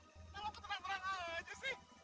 kita mau ketenangan aja sih